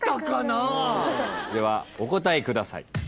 ではお答えください。